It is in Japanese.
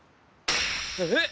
えっ？